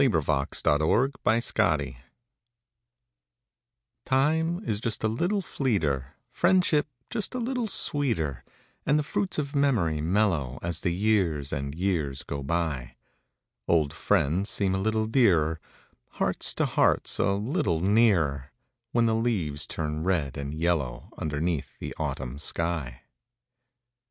©CI.A597234 IME is "just a little fleeter; priendship just a little sweeter; And the jruits of memoru mellcrcO ' I As the Ljears and Ejears ao btj. d Old 'friends seem a little dearer; Hearts to Hearts a little nearer, ( ADhen the leases turn red and Ljello^ Underneath the Autumn shij.